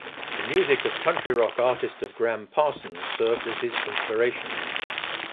The music of country-rock artist of Gram Parsons served as his inspiration.